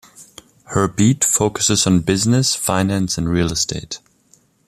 Her beat focuses on business, finance and real estate.